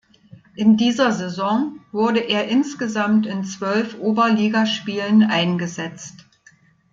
In dieser Saison wurde er insgesamt in zwölf Oberligaspielen eingesetzt.